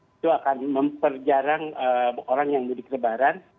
itu akan memperjarang orang yang mudik lebaran